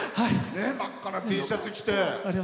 真っ赤なＴシャツ着て。